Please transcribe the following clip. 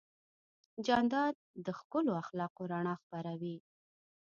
جانداد د ښکلو اخلاقو رڼا خپروي.